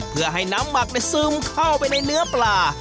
เพื่อให้น้ำหมักซึมเข้าไปในเนื้อปลา